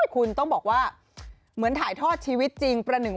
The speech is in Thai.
คุณต้องบอกว่าเหมือนถ่ายทอดชีวิตจริง